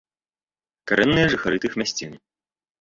Карэнныя жыхары тых мясцін.